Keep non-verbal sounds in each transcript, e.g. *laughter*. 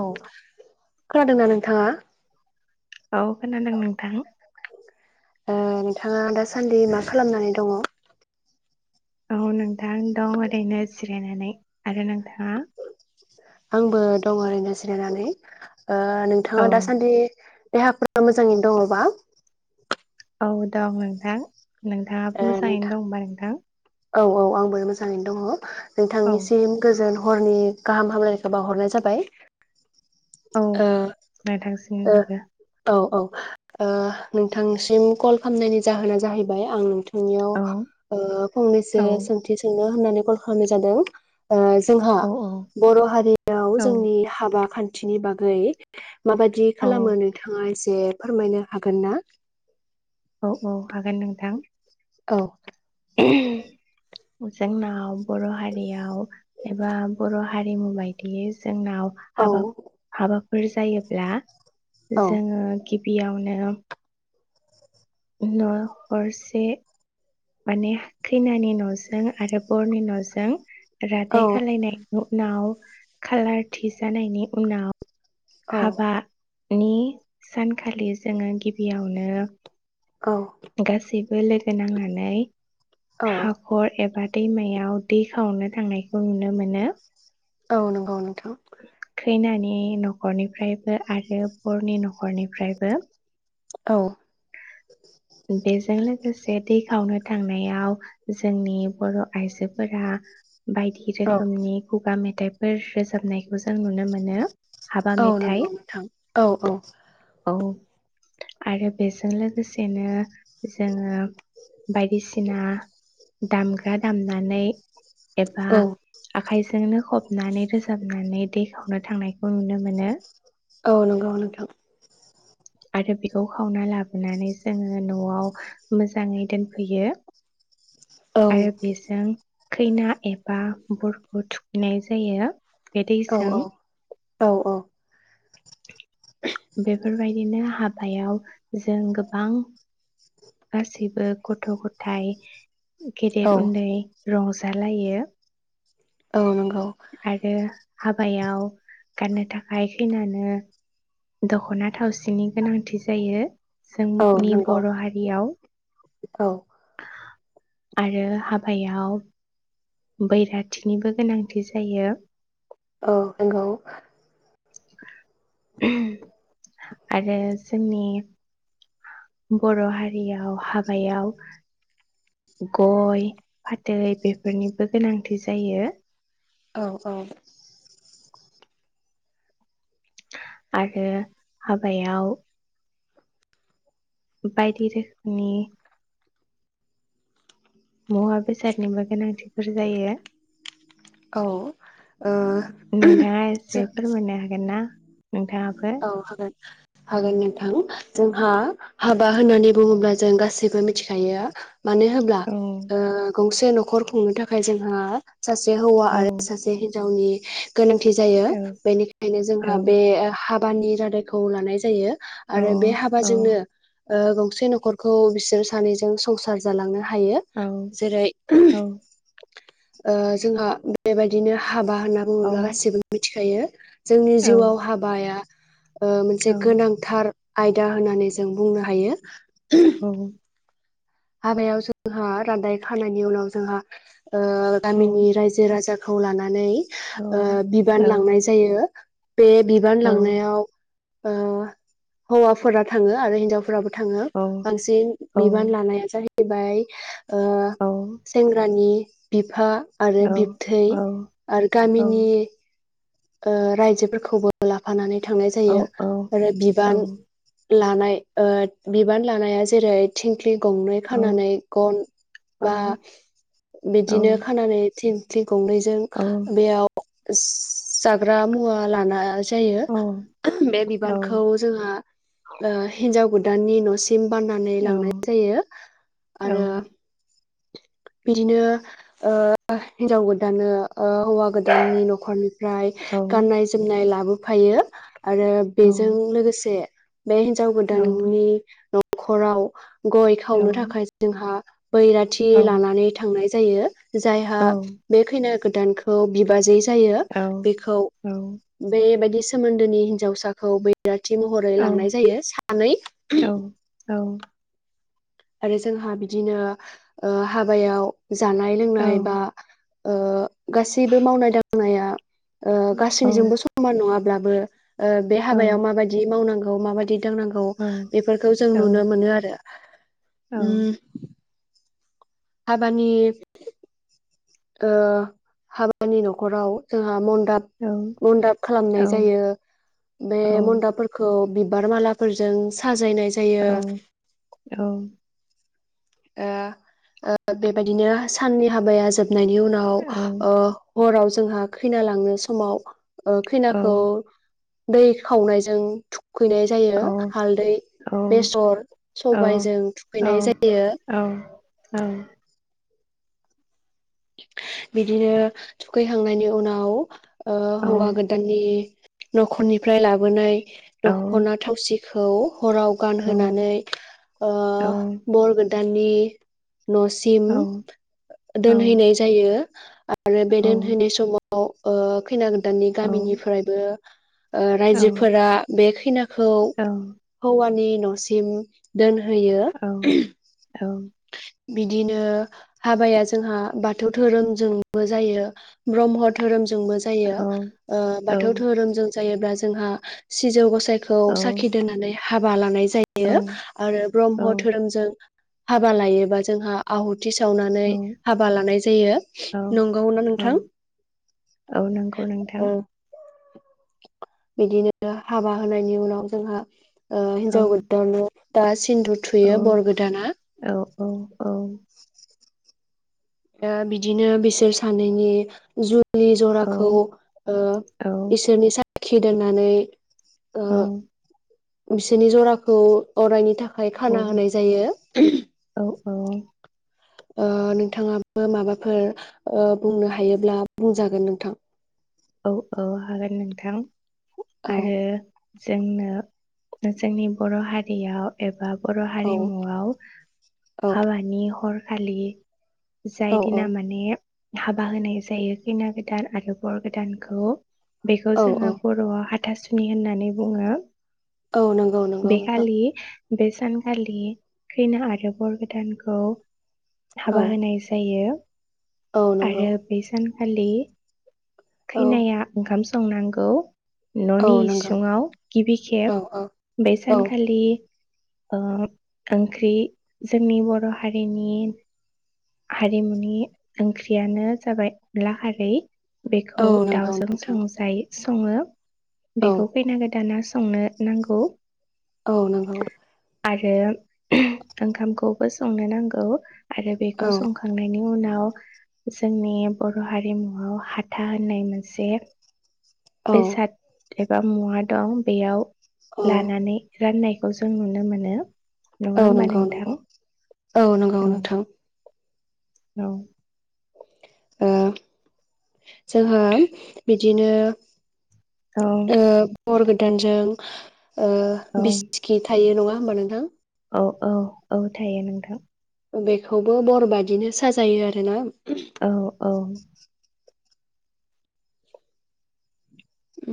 औ। खोनादोंना नोंथाङा? औ खोनादों नोंथां। ओ नोंथाङा दासा सान्दि मा खालामनानै दङ? अ नों थां दं ओरैनो जिरायनानै। आरो नोंथाङा? आंबो दं ओरैनो जिरायनानै। ओ नोंथाङा औ दासान्दि देहाफोरा मोजाङै दङबा? औ दं नोंथां। ओ नोंथाङाबो मोजाङैनो नोंथां दंबा नोंथां औ औ आंबो मोजाङैनो दङ औ नोंथांनिसिम गोजोन हरनि गाहाम हामलायखौ बावहरनाय जाबाय। औ ओ नोंथांसिमबो ओ औ औ। ओ नोंथांसिम कल खालामनायनि जाहोना जाहैबाय आं थांनियाव औ ओ फंनैसो औ सोंथि सोंनो होननानै कल खालामनाय जादों ओ जोंहा औ बर हारियाव औ जोंनि हाबा खान थिनि बागै माबाददि खालामो नोंथाङा? से फोरमायनो हागोन ना? औ औ हागोन नों। नोंथां। औ। *unintelligible* जोंनाव बर' हारियाव एबा बरहारिमु बायदियै जों जोंनाव औ हाब-हाब फोर जायोब्ला औ जोङो बेयावनो न'खरसे माने खैनानि नजों आरो बरनि नजों रादाय खालायनायखौ उनाव खाालार थि जानायनि उनाव हाबा नि सानखालि जोङो गिबियावनो औ। गासैबो लोगो नांनानै औ हाखर एबा दैमायाव दै खावनो थांनायखौ नुनो मोनो। औ नंगौ नोंथां। खैनानि न न'खरनिफ्रायबो आरो बरनि नख नखरनिफ्रायबो औ। बेजों लोगोसे दै खावनो थांनायाव जोंनि बर' आइजोफोरा बायदि औ रोखोमनि खुगा मेथाइ मेथाइफोर रोजाबनायखौ जों नुनो मोनो। हाबा औ मेथाइ नंगौ नोंथां औ-औ। औ आरो बेजों लोगोसे बिदिनो जोङो बायदिसिना दामग्रा दामनानै एबा औ आखाइजोंनो खबनानै रोजाबनानै दैखावनो थांनायखौ नुनो मोनो। औ नंगौ नोंथां। आरो बेखौ खावना लाबोनानै जोङो न'आव मोजाङै दोनफैयो। औ आरो बेजों खैना एबा बरखौ थुखैनाय जायो। बे औ दैजों औ औ औ। बिदिनो हाबायाव जों गोबां गासैबो गथ' ग'थाइ औ गेदेर उन्दै रंजालायो औ नंगौ आरो हाबायाव गाननो थाखाय खैनानो दख'ना थावसिनि गोनांथि जायो। औ जोंनि नंगौ बर' हारियाव औ आरो हाबायाव बैराथिनिबो गोनांथि जायो। औ नंगौ। आरो जोंनि बर' हारियाव हाबायाव गय फाथै बेफोरनिबो गोनांथि जायो। औ औ आरो हाबायाव बायदि रोखोमनि मुवा बेसादनिबो गोनांथिफोर जायो। औ ओ नोंथाङा *unintelligible* जो एसे फोरमायनो हागोन ना नोंथाङाबो औ हागोन हागोन नोंथां जोंहा हाबा होननानै बुङोब्ला जों गासैबो मिथिखायो मानो होब्ला औ ओ गंसे न'खर खुंनो थाखाय जोंहा सासे हौवा औ आरो सासे गावनि गोनांथि जायो औ बेनिखायनो जोंहा बे हाब बानि रादायखौ लानाय जायो औ आरो बे औ हाबाजोंनो ओ गंसे न'खरखौ बिसोर सानैजों संसार जालाङो हायो औ जेरै औ ओ जोंहा बेबायदिनो हाब बा होनना औ बुङोब्ला गासिबो मिथि खायो जोंनि औ जिउआव हाबाया ओ औ मोनसे गोनांथार आयदा होननानै जों बुंनो हायो औ हाबायाव जोंहा रादाय खानायनि उनाव जोंहा ओ औ गामिनि रायजो राजा खौ लाना नानै औ ओ बिबान लांनाय जायो। बे बिबान औ लांनायाव ओ हौवाफोरा थाङो आरो हिनजावफोराबो थाङो बांसिन औ बिबान लानाया *unintelligible* बाय ओ औ सेंग्रानि बिफा आरो बिबथै आरो गामिनि ओ रायजोफोरखौबो लाफानानै थांनाय जायो। आरो बिबान लानाय ओ बिबान लानाया जेरै थिं ख्लि गंनै औ खानानै गन बा औ बिदिनो खानानै थिन गंनैजों बेयाव ओस जाग्रा मुवा लाना जायो बे बिबानखौ जोंहा ओ हिन्जाव गुद दानि न'सि सिम बान्नानै लांनाय जायो। आरो बिदिनो ओ हिनजाव गोदाननो ओ हौवा गोदाननि न'खरनिफ्राय गाननाय -जोमनाय लाबो फायो। आरो बेजों लोगोसे बे हिनजाव गोदाननि न' खराव गय खावनो थाखाय जोंहा बैराथ थि लानानै थांनाय जायो। जायहा बे खैना गोदानखौ बिबाजै जायो बेखौ बेबायदि सोमोन्दोनि हिनजावसाखौ बै राथि महरै लांनाय जायो सानै आरो जोंहा बिदिनो ओ हाबायाव जानाय लोंनाय बा ओ गासैबो मावनाय दांनाया ओ गासैनिजोंबो समान नङाब्ला बो ओ बे हाबायाव माबाददि मावनांगौ बेखौ माबायदि दांनांगौ बेफोरखौ जों नुनो मोनो आरो उम हाबानि ओ हाबानि न'खराव जोंहा मन बाब मनदाब खालामनाय जायो बे मनदाबफोरखौ बि बिबार मालाफोरजों साज जायनाय जायो ओ ओ बेबायदिनो साननि हाबाया जोब नायनि उनाव ओ हराव जोंहा खैना लांनो समाव ओ खैनाखौ दै खावनायजों थुख खैनाय जायो हालदै बेसर सबायजों थुखैनाय जायो। औ औ बिदिनो थुखैखांनायनि उनाव ओ हौवा गोदाननि न'खरनिफ्राय लाबोनाय दखना थावसि खौ हराव गानहोनानै बरग दानि न'सिम दोन जायो आ आरो बे दोनहैनाय समाव खौ ओ खैना। दानि गामिनिफ्रायबो ओ औ रायजोफोरा बे खैनाखौ हौवानि न'सिम दोन औ औ बिदिनो हाबाया जोंहा बाथौ धोरोमजोंबो जायो ब्रह्म धोरोमजों जोंबो जायो औ ओ औ बाथौ धोरोमजों जायोब्ला जोंहा सिजौ गस जायखौ औ साखि दोननानै हाबा लानाय औ जायो आरो ब्रह्म धोरोमजों हाबा लायोबा जोंहा आहुत थि सावनानै औ हाबा लानाय जायो नंगौ ना औ नोंथां औ नंगौ नोंथां औ। बिदिनो हाबा होनायनि उनाव जोंहा ओ औ हिन्जाव गोदाननो दास सिन्दुर औ थुयो बर गोदानआ औ औ औ ओ बिदिनो बिसोर सानैनि जु लि औ जराखौ ओ औ इसोरनि सा खि दोननानै ओ औ बिसोरनि ज'राखौ अरायनि थाखाय खाना होनाय जायो। औ ओ नोंथाङाबो माबाफोर ओ बुंनो हायोब्ला बुंजागोन नोंथां। औ औ हागोन नोंथां। औ आरो जोंनो जोंनि बर' हारियाव एबा बर' औ हारिमुआव औ हाबानि हर खालि जाय औ दिना माने हाबा होनाय जायो खैना गोदान आरो बर गोदानखौ बेखौ औ औ जोङो बर'आव हाथासु नि होननानै बुङो। औ नंगौ नंगौ बे नोंथां। खालि बे सानखालि खैना आरो बर गोदानखौ औ हाबा होनाय जायो। औ आरो नंगौ बेसानक्ष खालि औ खैनाया ओंखाम संनांगौ। औ ननि नंगौ इसुङाव गिबि औ खेब औ बे औ सानखालि ओ ओंख्रि जोंनि बर हारिनि हारिमुनि ओंख्रियानो जाबाय अनला खारै। औ बेखौ नंगौ दाउजों नोंथां संजायो सङो। औ बेखौ खैना गौदाना संनो नांगौ। औ नंगौ। आरो ओंखामखौबो संनो नांगौ। आरो बेखौ औ संखांनायनि उनाव जोंनि बर हारिमुआव हा था होननाय मोनसे औ बेेसाद एबा मुवा दं। बेयाव लानानानै राननाय खौ जों नुनो मोनो। नङा औ होमबा नंगौ नंगौ नोंथां? औ नंगौ नोंथां। औ। ओ जोंहा बिदिनो औ ओ हर गोदानजों बिसकि थायो नङा होमबा नोंथां? औ औ औ थायो नोंथां। बेखौबो बरबादिनो साजायो आरोना। औ औ।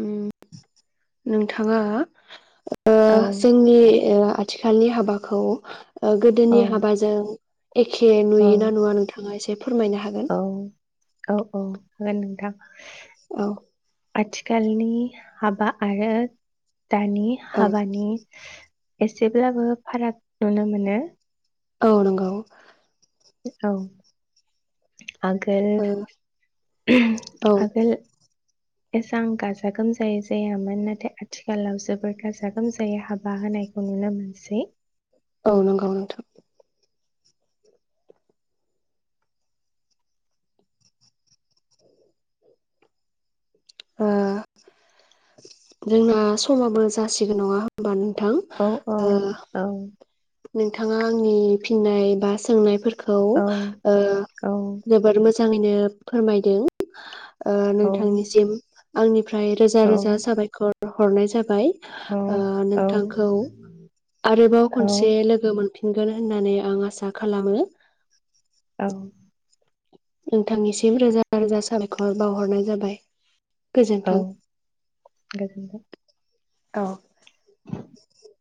उम नोंथाङा ओ औ जोंनि ओ आथिखालनि हाबाखौ ओ औ गोदोनि हाबाजों एखे नुयोना नुवा नोंथाङा एसे फोरमायनो हागोन औ औ औ होगोन नोंथां। औ। आथिखालनि हाबा आरो दानि औ हाबानि एसेब्लाबो फाराग नुनो मोनो। औ नोंगौ। औ। आगोल ओ औ आगोल एसां गाजा गोमजायै जायामोन नाथाय आथिखालाव जोबोर गाजा गोमजायै हाबा होनायखौ नुनो मोनसै। औ नंगौ नोंथां। ओ जोंना समाबो जासिगोन नङा होमबा नो थां औ औ ओ औ नोंथाङा आंनि फिननाय बा सोंनायफोर खौ औ ओ औ जोबोर मो मोजाङैनो फोरमायदों। ओ औ नोंथांनिसिम। आंनि फ्राय रोजा औ रोजा साबायखर हरनाय जाबाय। औ ओ औ नोंथांखौ आरोबाव औ खनसे दे लोगो मोन फिनगोन होननानै आं आसा खालामो औ। नोंथांनिसिम रोजा रोजा साबायखर बावहरनाय जाबाय। औ गोजोन्थों। गोजोनथों। औ। *inaudible*